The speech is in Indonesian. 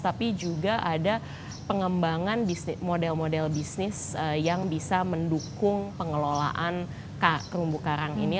tapi juga ada pengembangan model model bisnis yang bisa mendukung pengelolaan terumbu karang ini